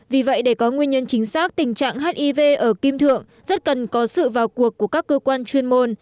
vì vậy để có nguyên nhân chính xác tình trạng hiv ở kim thượng rất cần có sự vào cuộc của các cơ quan chuyên môn